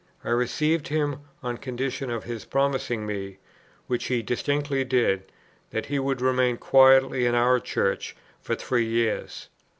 I received him on condition of his promising me, which he distinctly did, that he would remain quietly in our Church for three years.